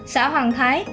xã hoàng thái